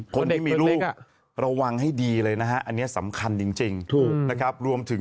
คนที่มีลูกระวังให้ดีเลยนะฮะอันนี้สำคัญจริง